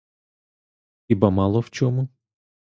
Хіба мало в чому?